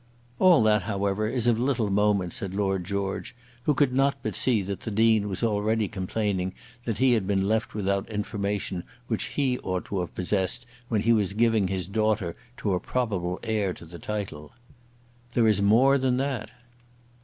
"All that, however, is of little moment," said Lord George, who could not but see that the Dean was already complaining that he had been left without information which he ought to have possessed when he was giving his daughter to a probable heir to the title. "There is more than that."